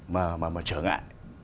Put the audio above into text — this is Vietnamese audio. mà trở ngại